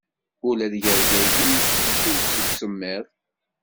Ul ad yergagi, mačči seg semmiḍ.